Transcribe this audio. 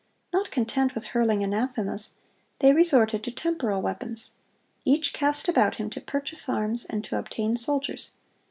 Not content with hurling anathemas, they resorted to temporal weapons. Each cast about him to purchase arms and to obtain soldiers.